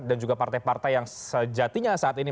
dan juga partai partai yang sejatinya saat ini